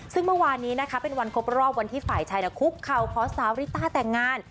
ซึ่งเมื่อวานนี้นะคะเป็นวันครบรอบวันที่ฝ่ายชายคุกเข่าขอสาวริต้าแต่งงาน